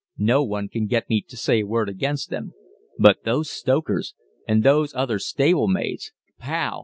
"No one can get me to say a word against them. But those stokers! And those other stable maids! Pow!